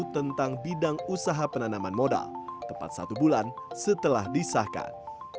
tentang bidang usaha penanaman modal tepat satu bulan setelah disahkan